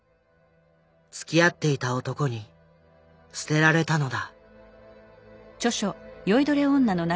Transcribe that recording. つきあっていた男に捨てられたのだ。